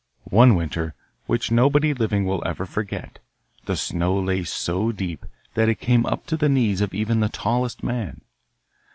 One winter, which nobody living will ever forget, the snow lay so deep that it came up to the knees of even the tallest man.